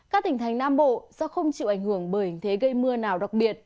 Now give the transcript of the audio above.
các tỉnh thành nam bộ do không chịu ảnh hưởng bởi hình thế gây mưa nào đặc biệt